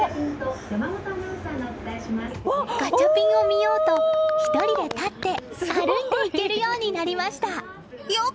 ガチャピンを見ようと１人で立って歩いていけるようになりました。